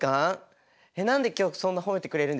えっ何で今日そんな褒めてくれるんですか？